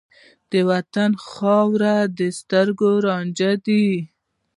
د وطن خاوره د سترګو رانجه ده.